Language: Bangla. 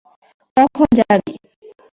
কখন যাবি?